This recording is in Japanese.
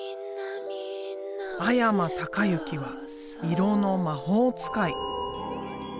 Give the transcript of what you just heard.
阿山隆之は色の魔法使い。